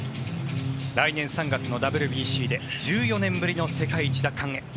来年３月のＷＢＣで１４年ぶりの世界一奪還へ。